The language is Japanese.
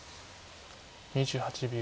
２８秒。